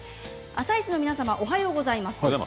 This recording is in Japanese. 「あさイチ」の皆様おはようございます。